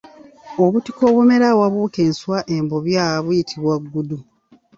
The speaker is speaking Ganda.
Obutiko obumera awabuuka enswa embobya buyitibwa ggudu.